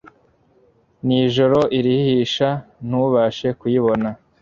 Nijoro irihisha ntubashe kuyibona